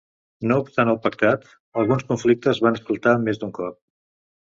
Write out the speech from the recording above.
No obstant el pactat, alguns conflictes van esclatar més d'un cop.